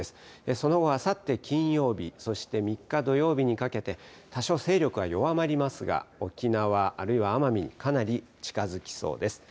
その後、あさって金曜日、そして３日土曜日にかけて、多少勢力は弱まりますが、沖縄、あるいは奄美にかなり近づきそうです。